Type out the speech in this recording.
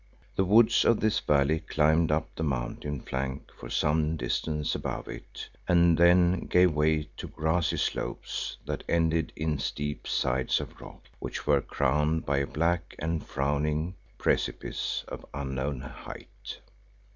The woods of this valley climbed up the mountain flank for some distance above it and then gave way to grassy slopes that ended in steep sides of rock, which were crowned by a black and frowning precipice of unknown height.